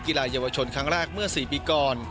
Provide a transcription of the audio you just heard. กีฬาเยาวชนครั้งแรกเมื่อ๔ปีก่อน